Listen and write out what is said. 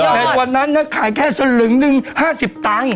แต่วันนั้นนะขายแค่ศษลึงหนึ่ง๕๐๐๐บาท